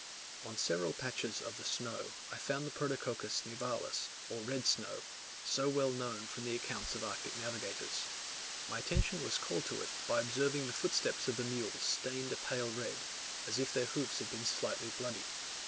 On several patches of the snow I found the Protococcus nivalis, or red snow, so well known from the accounts of Arctic navigators. My attention was called to it, by observing the footsteps of the mules stained a pale red, as if their hoofs had been slightly bloody.